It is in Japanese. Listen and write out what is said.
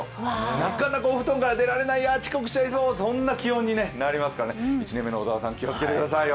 なかなかお布団から出られない、遅刻しちゃいそうっていうそんな気温になりますからね、１年目の小沢さん、気をつけてくださいよ。